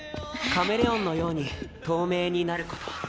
カメレオンのように透明になること。